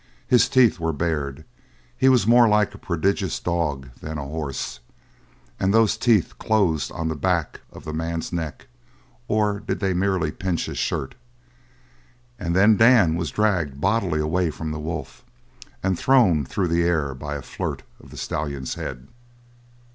His teeth were bared he was more like a prodigious dog than a horse. And those teeth closed on the back of the man's neck or did they merely pinch his shirt? and then Dan was dragged bodily away from the wolf and thrown through the air by a flirt of the stallion's head.